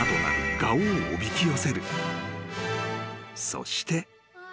［そして］